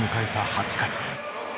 ８回。